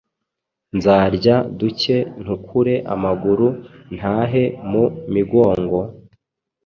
Nzarya duke ntukure amaguru ntahe mu Migongo”.